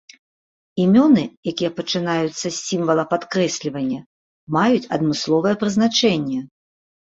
Імёны, якія пачынаюцца з сімвала падкрэслівання, маюць адмысловае прызначэнне.